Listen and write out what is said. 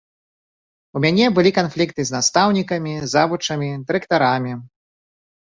У мяне былі канфлікты з настаўнікамі, завучамі, дырэктарамі.